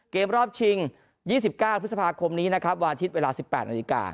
รอบชิง๒๙พฤษภาคมนี้นะครับวันอาทิตย์เวลา๑๘นาฬิกา